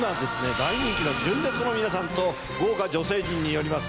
大人気の純烈の皆さんと豪華女性陣によります